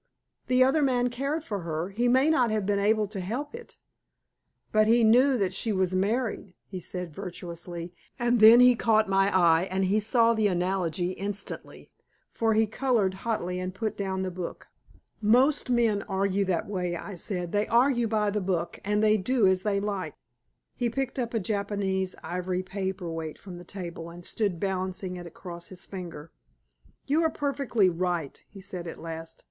"The other man cared for her; he may not have been able to help it." "But he knew that she was married," he said virtuously, and then he caught my eye and he saw the analogy instantly, for he colored hotly and put down the book. "Most men argue that way," I said. "They argue by the book, and they do as they like." He picked up a Japanese ivory paper weight from the table, and stood balancing it across his finger. "You are perfectly right," he said at last.